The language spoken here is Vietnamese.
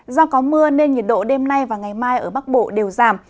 do có mưa nên nhiệt độ đêm nay và ngày mai ở bắc bộ đều giảm